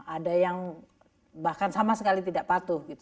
ada yang bahkan sama sekali tidak patuh